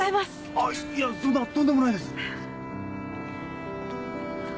あっいやそんなとんでもないです。